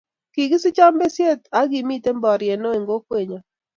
kikisichon besiet ne kimito boriet neoo eng' kokwenyo